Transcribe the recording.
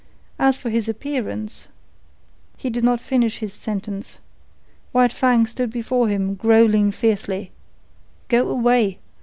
As for his appearance—" He did not finish his sentence. White Fang stood before him, growling fiercely. "Go away!